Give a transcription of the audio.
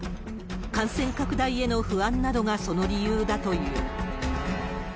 感染拡大への不安などがその理由だという。